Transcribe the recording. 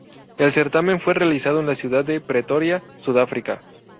El certamen fue realizado en la ciudad de Pretoria, Sudáfrica.